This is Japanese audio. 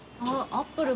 アップル。